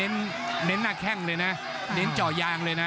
ภูตวรรณสิทธิ์บุญมีน้ำเงิน